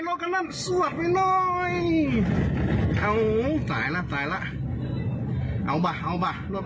นั่นสวัสดิ์ไว้เลยเอาตายแล้วตายแล้วเอาบ่าเอาบ่ารถ